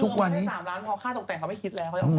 ถึงเอามาให้๓ล้านพอค่าตกแต่งเขาไม่คิดแล้ว